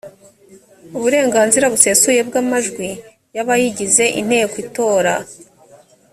uburenganzira busesuye bw’amajwi y’abayigize inteko itora